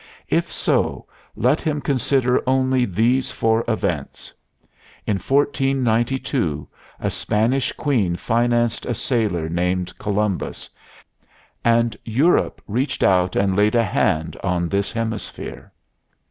If so, let him consider only these four events: In 1492 a Spanish Queen financed a sailor named Columbus and Europe reached out and laid a hand on this hemisphere.